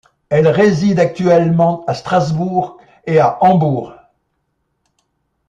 Il réside actuellement à Strasbourg et à Hambourg.